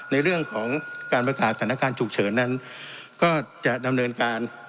ในเรื่องของการประกาศสถานการณ์ฉุกเฉินนั้นก็จะดำเนินการ